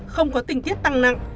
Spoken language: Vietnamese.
không có tình tiết tăng nặng